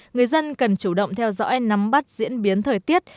người dân cần chủ động theo dõi nắm bắt diễn biến thời tiết